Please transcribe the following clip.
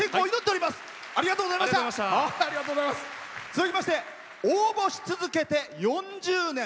続きまして応募し続けて４０年。